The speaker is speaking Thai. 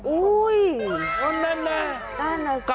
อุ๊ยนั่นแหละ